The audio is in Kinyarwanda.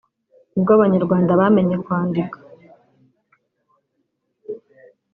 ubwo Abanyarwanda bamenye kwandika